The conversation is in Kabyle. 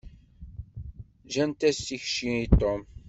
Gant-as tikci i Tom.